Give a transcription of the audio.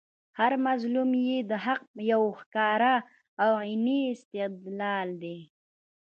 هر مظلوم ئې د حق یو ښکاره او عیني استدلال دئ